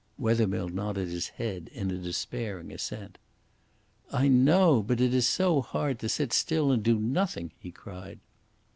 Wethermill nodded his head in a despairing assent. "I know. But it is so hard to sit still and do nothing," he cried.